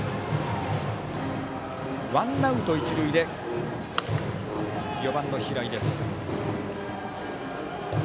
ワンアウト、一塁でバッターは４番の平井です。